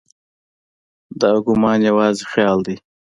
دا ګومان یوازې خیال وي.